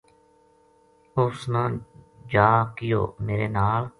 اس نا جا کہیو میرے نال